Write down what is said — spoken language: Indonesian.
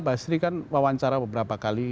basri kan wawancara beberapa kali